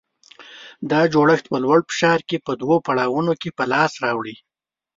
دا جوړښت په لوړ فشار کې په دوه پړاوونو کې په لاس راوړي.